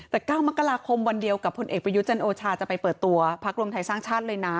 แต่๙มกราคมวันเดียวกับผลเอกประยุจันโอชาจะไปเปิดตัวพักรวมไทยสร้างชาติเลยนะ